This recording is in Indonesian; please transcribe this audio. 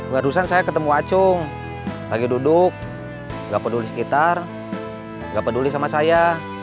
barusan saya ketemu acung lagi duduk gak peduli sekitar nggak peduli sama saya